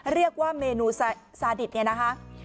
เรียกว่าเมนูซาดิตเนี่ยนะคะ